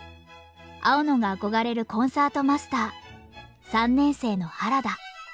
青野が憧れるコンサートマスター３年生の原田。